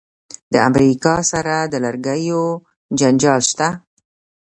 د امریکا سره د لرګیو جنجال شته.